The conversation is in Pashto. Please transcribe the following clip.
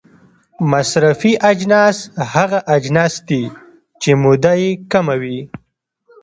مصرفي اجناس هغه اجناس دي چې موده یې کمه وي.